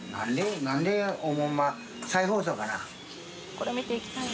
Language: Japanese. これ見て行きたいな。